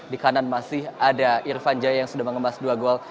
di kanan masih ada irfan jaya yang sudah mengemas dua gol